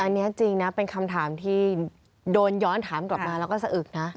อันนี้จริงนะเป็นคำถามที่โดนย้อนถามกลับมาแล้วก็สะอึกนะ